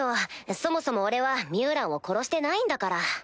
そもそも俺はミュウランを殺してないんだから。